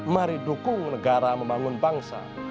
mari dukung negara membangun bangsa